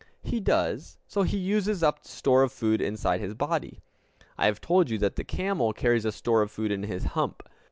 He does. So he uses up the store of food inside his body! I have told you that the camel carries a store of food in his hump.